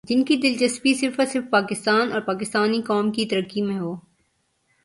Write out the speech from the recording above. جن کی دلچسپی صرف اور صرف پاکستان اور پاکستانی قوم کی ترقی میں ہو ۔